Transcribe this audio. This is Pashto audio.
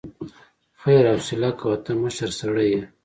خير حوصله کوه، ته مشر سړی يې.